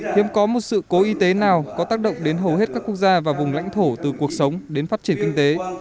hiếm có một sự cố y tế nào có tác động đến hầu hết các quốc gia và vùng lãnh thổ từ cuộc sống đến phát triển kinh tế